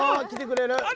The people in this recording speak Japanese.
来てくれる？